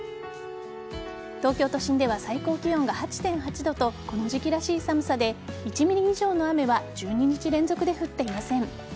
東京都心では最高気温が８．８度とこの時期らしい寒さで１ｍｍ以上の雨は１２日連続で降っていません。